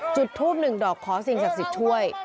จุดทูปหนึ่งดอกขอสิ่งศักดิ์สิทธิ์ช่วย